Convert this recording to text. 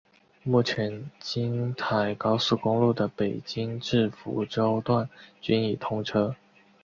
目前京台高速公路的北京至福州段均已通车。